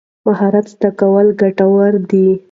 مهارت زده کول ګټور دي.